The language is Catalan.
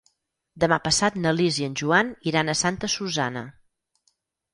Demà passat na Lis i en Joan iran a Santa Susanna.